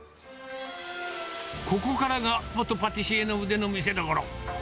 ここからが元パティシエの腕の見せどころ。